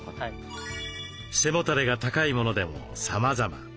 背もたれが高いものでもさまざま。